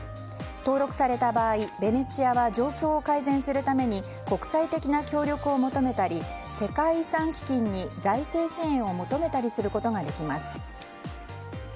登録された場合ベネチアは状況を改善するために国際的な協力を求めたり世界遺産基金に財政支援を求めたりすることができます。